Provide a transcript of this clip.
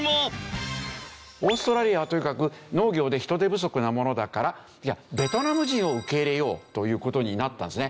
オーストラリアはとにかく農業で人手不足なものだからじゃあベトナム人を受け入れようという事になったんですね。